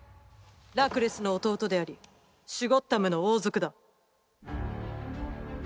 ラクレスの弟でありシュゴッダムの王族だ。